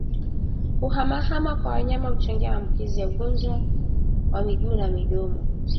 Kuhamahama kwa wanyama huchangia maambukizi ya ugonjwa wa miguu na midomo